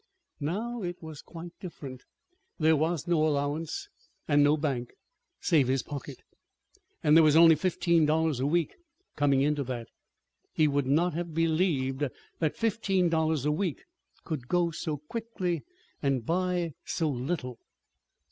Now it was quite different. There was no allowance, and no bank save his pocket, and there was only fifteen dollars a week coming into that. He would not have believed that fifteen dollars a week could go so quickly, and buy so little.